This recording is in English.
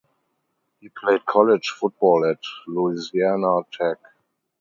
He played college football at Louisiana Tech.